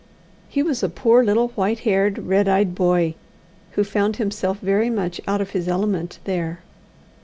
He was a poor little white haired, red eyed boy, who found himself very much out of his element there.